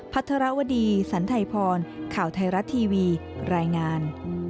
พัทรวดีสันไทยพรข่าวไทยรัฐทีวีรายงาน